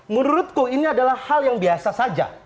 menurutku ini adalah hal yang biasa saja